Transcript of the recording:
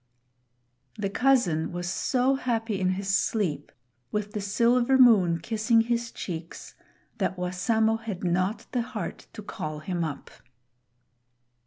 The cousin was so happy in his sleep, with the silver moon kissing his cheeks, that Wassamo had not the heart to call him up.